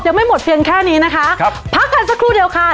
ยังไม่หมดเพียงแค่นี้นะคะครับพักกันสักครู่เดียวค่ะ